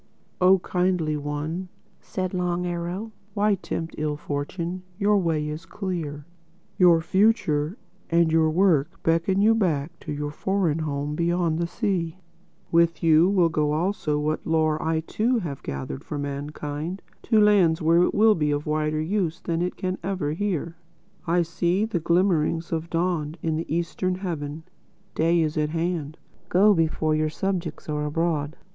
"Oh Kindly One," said Long Arrow, "why tempt ill fortune? Your way is clear. Your future and your work beckon you back to your foreign home beyond the sea. With you will go also what lore I too have gathered for mankind—to lands where it will be of wider use than it can ever here. I see the glimmerings of dawn in the eastern heaven. Day is at hand. Go before your subjects are abroad.